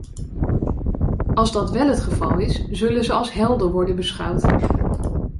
Als dat wel het geval is, zullen ze als helden worden beschouwd.